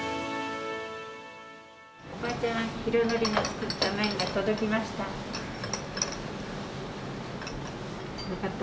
おばあちゃん、浩敬が作った麺が届きました。